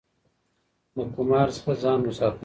له قمار څخه ځان وساتئ.